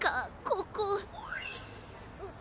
ここ。